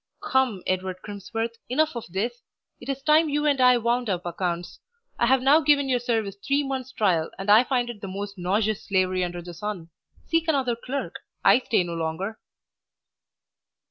"Come, Edward Crimsworth, enough of this. It is time you and I wound up accounts. I have now given your service three months' trial, and I find it the most nauseous slavery under the sun. Seek another clerk. I stay no longer."